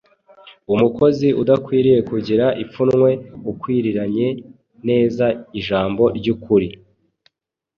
umukozi udakwiriye kugira ipfunwe, ukwiriranya neza ijambo ry’ukuri.